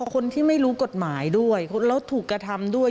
คนที่ไม่รู้กฎหมายด้วยแล้วถูกกระทำด้วย